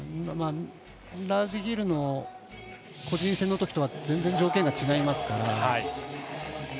ラージヒルの個人戦のときとは全然、条件が違いますから。